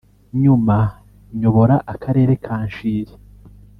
nyuma nyobora Akarere ka Nshiri